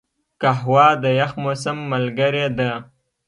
قهوه د یخ موسم ملګرې ده